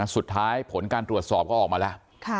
ผลการตรวจสอบก็ออกมาแล้ว